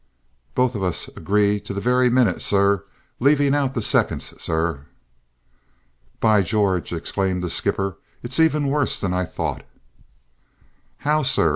"Both of us agree to the virry minnit, sure, lavin' out the sicconds, sir!" "By George!" exclaimed the skipper. "It's even worse than I thought." "How, sir?"